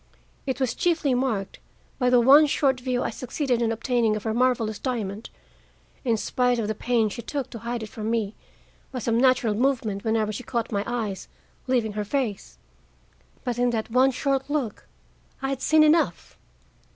It was chiefly marked by the one short view I succeeded in obtaining of her marvelous diamond, in spite of the pains she took to hide it from me by some natural movement whenever she caught my eyes leaving her face. But in that one short look I had seen enough.